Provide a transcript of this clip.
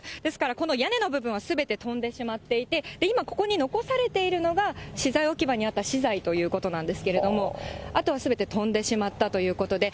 この屋根の部分はすべて飛んでしまっていて、今ここに残されているのが、資材置き場にあった資材ということなんですけども、あとはすべて飛んでしまったということで。